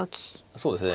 そうですね。